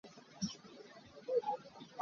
Khoi ka ah dah uico a kal lai?